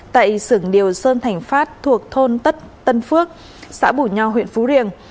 tại xưởng điều sơn thành phát thuộc thôn tất tân phước xã bù nho huyện phú riềng